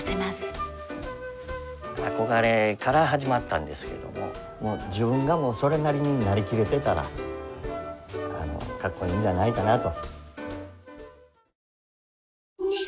憧れから始まったんですけども自分がもうそれなりになりきれてたらかっこいいんじゃないかなと。